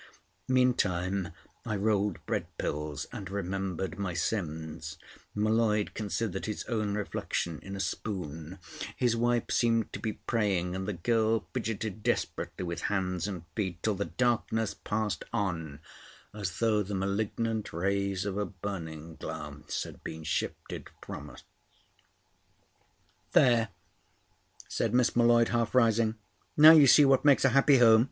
Meantime I rolled bread pills and remembered my sins; M'Leod considered his own reflection in a spoon; his wife seemed to be praying, and the girl fidgetted desperately with hands and feet, till the darkness passed on—as though the malignant rays of a burning glass had been shifted from us. "There," said Miss M'Leod, half rising. "Now you see what makes a happy home.